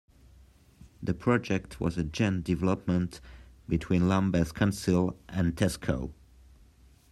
The project was a joint development by Lambeth Council and Tesco.